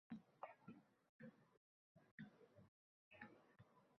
mana bu ekinni ekmasang